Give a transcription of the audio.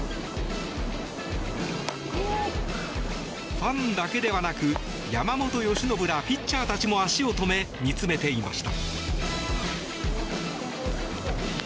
ファンだけではなく山本由伸らピッチャーたちも足を止め、見つめていました。